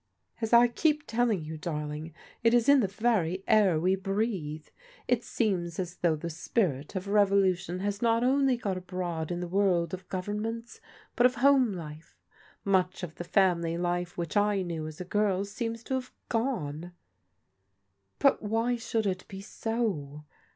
"As I keep telling you, darling, it is in the very air wc breathe. It seems as though the spirit of revolution has not only got abroad in the vjotVd oi Qi50N^ttvrQft.ials, but of JIM BAENES TAKES A LICKING 169 home life. Much of the family life which I knew as a girl seems to have gone." " But why should it be so